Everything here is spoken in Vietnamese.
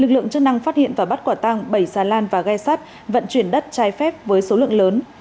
lực lượng chức năng phát hiện và bắt quả tăng bảy xà lan và ghe sắt vận chuyển đất trái phép với số lượng lớn